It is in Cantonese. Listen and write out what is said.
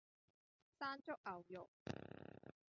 山竹牛肉